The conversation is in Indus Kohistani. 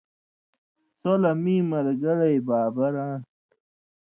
سو لہ مِیں مَرگَلئ بابر آن٘س،